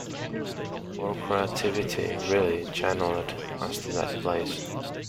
Our creativity really channeled us to that place.